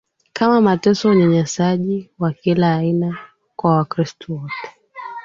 kama mateso unyanyashaji wa kila aina kwa wakristo wote